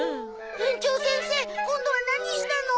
園長先生今度は何したの？